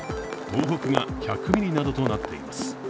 東北が１００ミリなどとなっています